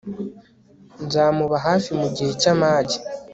nzamuba hafi mu gihe cy'amage